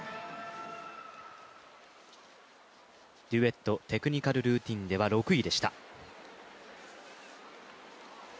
デュエット、テクニカルルーティンでは６位でした。